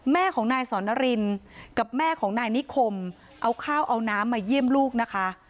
แม่ของนายสอนรินกับแม่ของนายนิคมเอาข้าวเอาน้ำมาเยี่ยมลูกนะคะ